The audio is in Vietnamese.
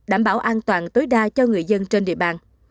đảm bảo an toàn tối đa cho người dân trên địa bàn